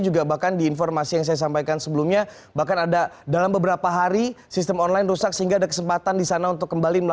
juga bahkan di informasi yang saya sampaikan sebelumnya juga bahkan di informasi yang saya sampaikan sebelumnya juga bahkan di informasi yang saya sampaikan sebelumnya